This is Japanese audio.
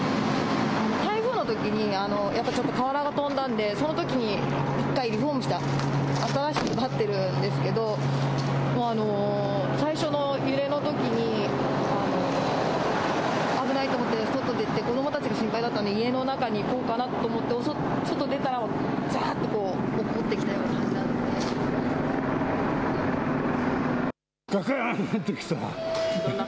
台風のときにやっぱりちょっと瓦が飛んだんで、そのときに一回、リフォームした、新しくなってるんですけれども、最初の揺れのときに危ないと思って、外出て、子どもたちが心配だったんで、家の中に行こうかなと思って外に出たらざーっとおっこってきたよがくんときた。